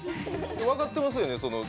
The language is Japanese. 分かってますよね？